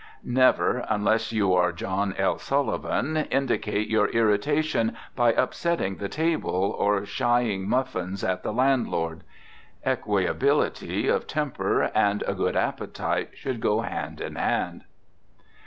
Never, unless you are John L. Sullivan, indicate your irritation by upsetting the table, or shying muffins at the landlord. Equability of temper and a good appetite should go hand in hand.